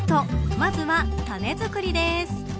まずはタネ作りです。